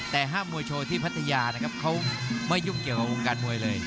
แต่ห้ามมวยโชว์ที่พัทยานะครับเขาไม่ยุ่งเกี่ยวกับวงการมวยเลย